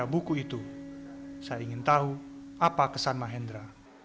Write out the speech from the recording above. buku itu saya ingin tahu apa kesan mahendra